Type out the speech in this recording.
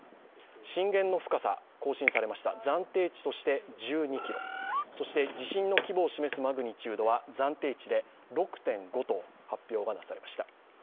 震源の深さ、更新されました、暫定値として１２ｋｍ、そして地震の規模を示すマグニチュードは暫定値で６．５と発表がなされました。